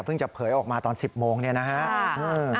พึ่งจะเผยออกมาตอนสิบโมงนี้นะครับ